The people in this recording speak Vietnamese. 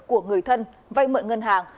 của người thân vay mượn ngân hàng